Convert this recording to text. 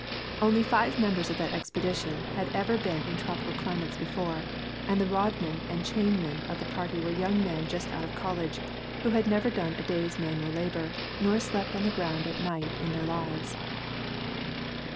Only five members of that expedition had ever been in tropi cal climates before, and the rod men and chainmen of the party were young men just out of college who had never done a day's manual labor, nor slept on the ground a night in their lives.